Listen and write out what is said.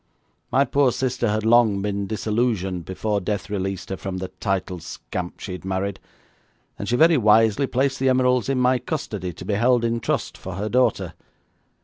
My poor sister had long been disillusioned before death released her from the titled scamp she had married, and she very wisely placed the emeralds in my custody to be held in trust for her daughter.